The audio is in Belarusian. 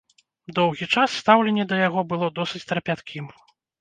Доўгі час стаўленне да яго было досыць трапяткім.